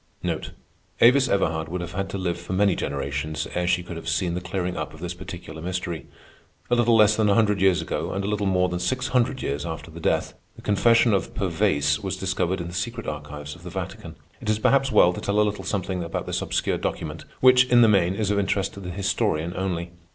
Avis Everhard would have had to live for many generations ere she could have seen the clearing up of this particular mystery. A little less than a hundred years ago, and a little more than six hundred years after her death, the confession of Pervaise was discovered in the secret archives of the Vatican. It is perhaps well to tell a little something about this obscure document, which, in the main, is of interest to the historian only.